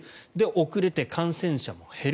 遅れて感染者も減る。